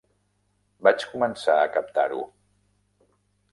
Vaig començar a captar-ho.